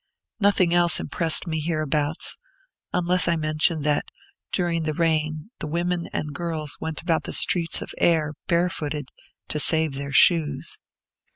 Nothing else impressed me hereabouts, unless I mention, that, during the rain, the women and girls went about the streets of Ayr barefooted to save their shoes.